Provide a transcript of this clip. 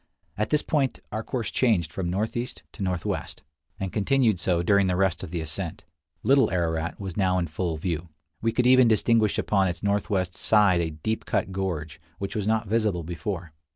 At this point our course changed from northeast to northwest, and continued so during the rest of the ascent. Little Ararat was now in full view. We could even distinguish upon its northwest side a deep cut gorge, which was not visible before.